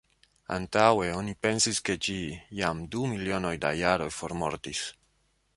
Antaŭe oni pensis ke ĝi jam de du milionoj da jaroj formortis.